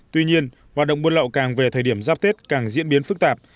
tuy nhiên hoạt động buôn lậu càng về thời điểm giáp tết càng diễn biến phức tạp